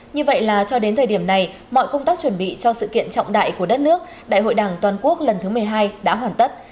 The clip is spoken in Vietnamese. như vậy là cho đến thời điểm này mọi công tác chuẩn bị cho sự kiện trọng đại của đất nước đại hội đảng toàn quốc lần thứ một mươi hai đã hoàn tất